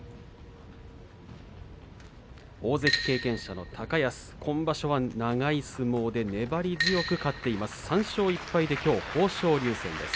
大関経験者の高安、今場所は長い相撲で粘り強く勝っています。